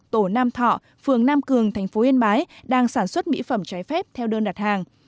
tổ nam thọ phường nam cường thành phố yên bái đang sản xuất mỹ phẩm trái phép theo đơn đặt hàng